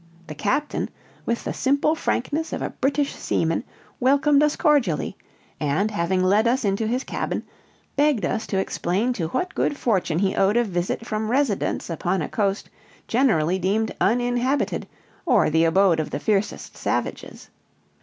The captain, with the simple frankness of a British seaman, welcomed us cordially, and having led us into his cabin, begged us to explain to what good fortune he owed a visit from residents upon a coast generally deemed uninhabited, or the abode of the fiercest savages.